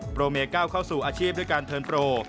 โปรเมก้าวเข้าสู่อาชีพด้วยการเทิร์นโปร